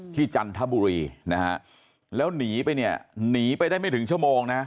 จันทบุรีนะฮะแล้วหนีไปเนี่ยหนีไปได้ไม่ถึงชั่วโมงนะ